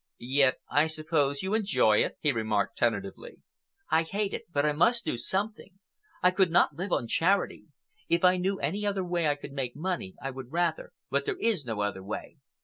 "Yet I suppose you enjoy it?" he remarked tentatively. "I hate it, but I must do something. I could not live on charity. If I knew any other way I could make money, I would rather, but there is no other way.